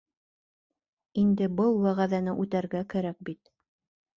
Инде был вәғәҙәне үтәргә кәрәк бит...